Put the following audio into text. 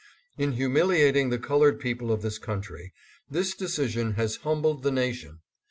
In humiliating the colored people of this country, this decision has humbled the nation.